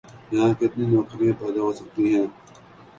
یہاں کتنی نوکریاں پیدا ہو سکتی ہیں؟